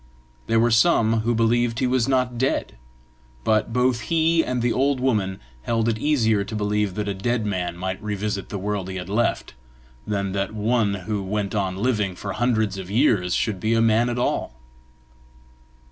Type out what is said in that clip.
There were some who believed he was not dead; but both he and the old woman held it easier to believe that a dead man might revisit the world he had left, than that one who went on living for hundreds of years should be a man at all.